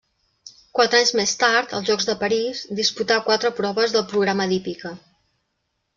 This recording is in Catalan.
Quatre anys més tard, als Jocs de París, disputà quatre proves del programa d'hípica.